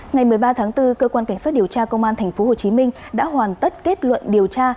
ngày một mươi ba tháng bốn cơ quan cảnh sát điều tra công an tp hcm đã hoàn tất kết luận điều tra